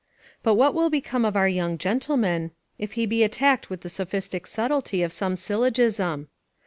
But what will become of our young gentleman, if he be attacked with the sophistic subtlety of some syllogism?